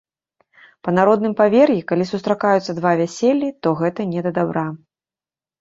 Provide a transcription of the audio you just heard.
Па народным павер'і, калі сустракаюцца два вяселлі, то гэта не да дабра.